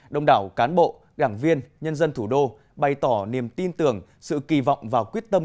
đồng đảo cán bộ đảng viên nhân dân thủ đô bày tỏ niềm tin tưởng sự kỳ vọng và quyết tâm